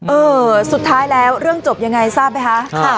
เออสุดท้ายแล้วเรื่องจบยังไงทราบไหมคะ